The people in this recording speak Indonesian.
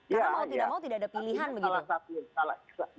karena mau tidak mau tidak ada pilihan